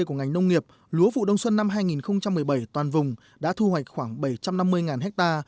của ngành nông nghiệp lúa vụ đông xuân năm hai nghìn một mươi bảy toàn vùng đã thu hoạch khoảng bảy trăm năm mươi ha